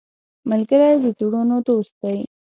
ملګری د زړونو دوست دی